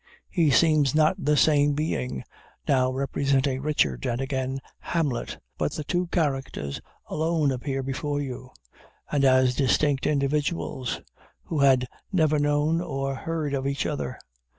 He seems not the same being, now representing Richard, and, again, Hamlet; but the two characters alone appear before you, and as distinct individuals who had never known or heard of each other.